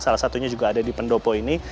salah satunya juga ada di pendopo ini